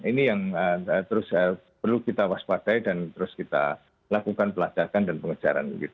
ini yang terus perlu kita waspadai dan terus kita lakukan pelacakan dan pengejaran